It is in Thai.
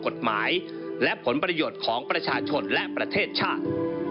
กฎหมายและผลประโยชน์ของประชาชนและประเทศชาติ